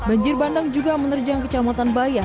banjir bandang juga menerjang kecamatan bayah